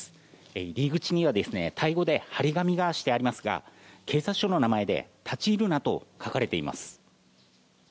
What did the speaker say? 入り口にはタイ語で貼り紙がしてありますが警察署の名前で「立ち入るな」と書かれています。